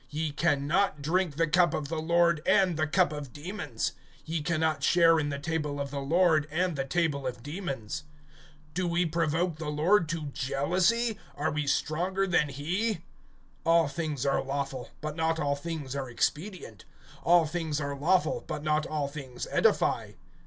(21)Ye can not drink the cup of the Lord, and the cup of demons; ye can not share in the table of the Lord, and the table of demons. (22)Do we provoke the Lord to jealousy? Are we stronger than he? (23)All things are lawful, but not all things are expedient; all things are lawful, but not all things edify.